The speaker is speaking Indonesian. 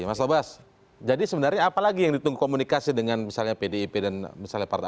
mas tobas jadi sebenarnya apalagi yang ditunggu komunikasi dengan misalnya pdip dan misalnya partai